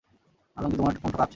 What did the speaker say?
আতঙ্কে তোমার কণ্ঠ কাঁপছে।